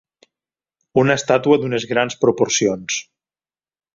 Una estàtua d'unes grans proporcions.